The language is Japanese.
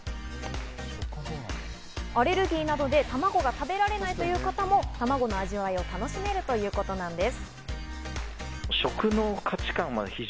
アレルギーなどで卵が食べられないという方も卵の味わいを楽しめるということなんです。